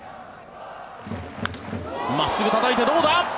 真っすぐ、たたいてどうだ？